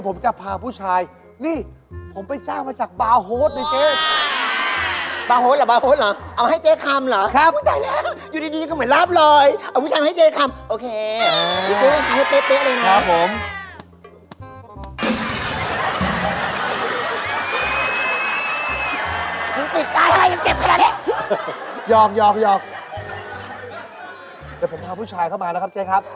เอาผู้ชายเข้ามาแล้วครับเจ๊ครับ